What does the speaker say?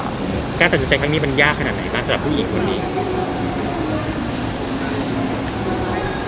แกสนใจทั้งนี้มันยากขนาดไหนสำหรับผู้หญิงคนนี้